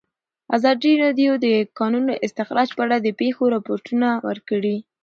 ازادي راډیو د د کانونو استخراج په اړه د پېښو رپوټونه ورکړي.